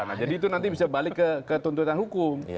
nah jadi itu nanti bisa balik ke tuntutan hukum